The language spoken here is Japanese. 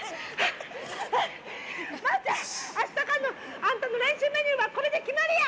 明日からのあんたの練習メニューはこれで決まりや！